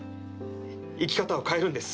生き方を変えるんです。